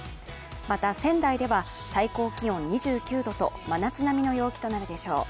また仙台では最高気温２９度と真夏並みの陽気となるでしょう。